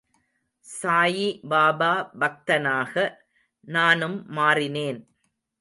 சாயிபாபா பக்தனாக நானும் மாறினேன்.